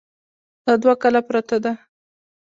دا دوه کاله پرته ده.